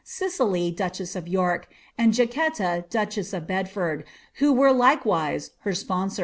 Cicely duchese fork, and Jaquetta duchess of Bedford, who were likewise her spon I.